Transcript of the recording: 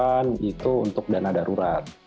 dan itu untuk daripada